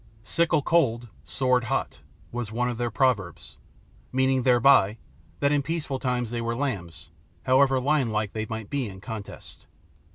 "Sickle cold, sword hot," was one of their proverbs, meaning thereby that in peaceful times they were lambs, however lionlike they might be in contest.